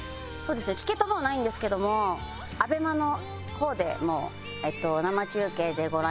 チケットもうないんですけどもＡＢＥＭＡの方でも生中継でご覧いただけます。